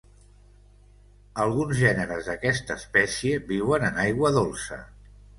Alguns gèneres d'aquesta espècie viuen en aigua dolça.